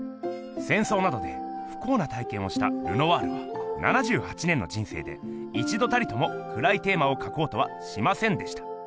せんそうなどでふこうな体けんをしたルノワールは７８年の人生で一度たりともくらいテーマをかこうとはしませんでした。